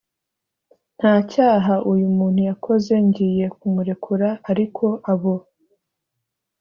nta cyaha uyu muntu yakoze Ngiye kumurekura Ariko abo